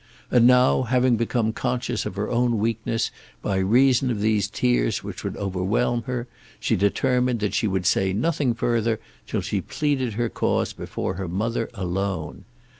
And now, having become conscious of her own weakness by reason of these tears which would overwhelm her, she determined that she would say nothing further till she pleaded her cause before her mother alone.